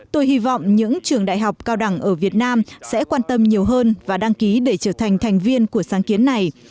tôi hy vọng những trường đại học cao đẳng ở việt nam sẽ quan tâm nhiều hơn và đăng ký để trở thành thành viên của sáng kiến này